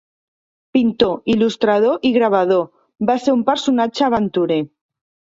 Pintor, il·lustrador i gravador, va ser un personatge aventurer.